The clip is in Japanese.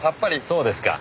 そうですか。